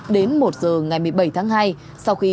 đến một giờ ngày một mươi bảy tháng hai sau khi